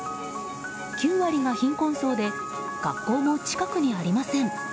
９割が貧困層で学校も近くにありません。